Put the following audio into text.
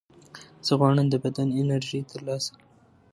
زه غواړم د بدن انرژي ترلاسه کړم.